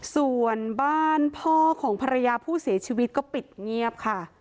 ส่วนบ้านพ่อของภรรยาผู้เสียชีวิตก็ปิดเงียบค่ะ